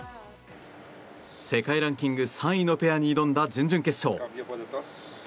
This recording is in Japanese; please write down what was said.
世界ランキング３位のペアに挑んだ準々決勝。